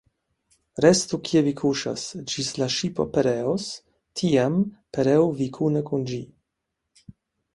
Restu, kie vi kuŝas, ĝis la ŝipo pereos; tiam, pereu vi kune kun ĝi.